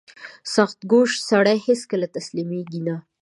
• سختکوش سړی هیڅکله تسلیمېږي نه.